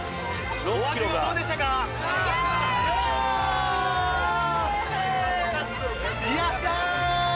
お味はどうでしたかやったー